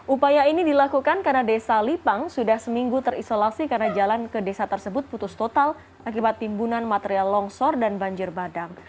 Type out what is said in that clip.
upaya ini dilakukan karena desa lipang sudah seminggu terisolasi karena jalan ke desa tersebut putus total akibat timbunan material longsor dan banjir badang